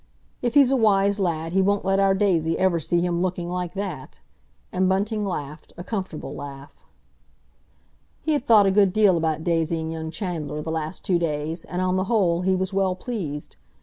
If he's a wise lad, he won't let our Daisy ever see him looking like that!" and Bunting laughed, a comfortable laugh. He had thought a good deal about Daisy and young Chandler the last two days, and, on the whole, he was well pleased.